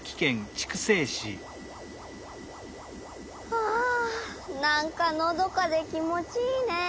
はあなんかのどかできもちいいね。